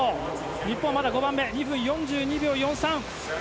日本はまだ６番目２分４２秒４３。